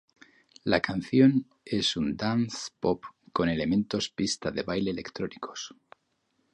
La canción es un dance-pop con elementos pista de baile electrónicos.